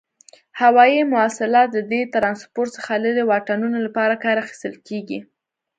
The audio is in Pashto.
هوایي مواصلات له دې ترانسپورت څخه لري واټنونو لپاره کار اخیستل کیږي.